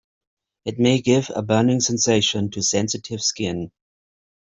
It may give a burning sensation to sensitive skin.